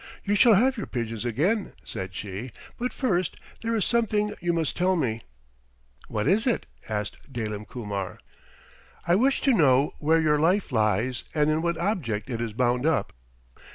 "You shall have your pigeons again," said she, "but first there is something you must tell me." "What is it?" asked Dalim Kumar. "I wish to know where your life lies and in what object it is bound up."